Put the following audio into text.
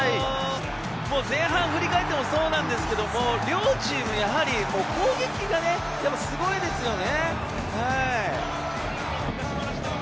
前半を振り返ってもそうですが、両チーム、やはり攻撃がね、すごいですよね。